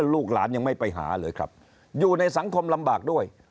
ลูกหลานยังไม่ไปหาเลยครับอยู่ในสังคมลำบากด้วย